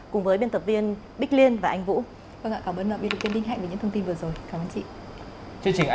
cùng với biên tập viên bích liên và anh vũ